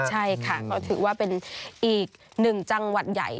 ใช่ค่ะก็ถือว่าเป็นอีกหนึ่งจังหวัดใหญ่